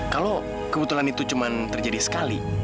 kalau kebetulan itu cuma terjadi sekali